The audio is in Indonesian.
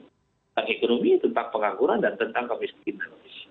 tentang ekonomi tentang pengangguran dan tentang kemiskinan